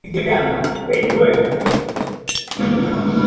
Se refiere primeramente a la ciudad.